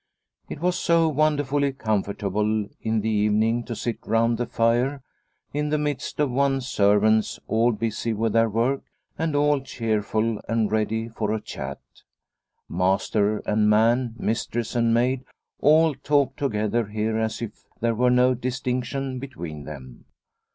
It was so won derfully comfortable in the evening to sit round the fire in the midst of one's servants, all busy with their work and all cheerful and ready for a chat. Master and man, mistress and maid, all talked together here as if there were no distinction between them.